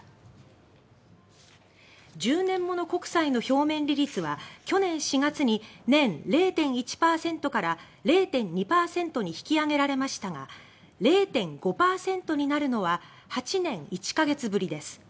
１０年物国債の表面利率は去年４月に年０．１％から０．２％に引き上げられましたが０．５％になるのは８年１か月ぶりです。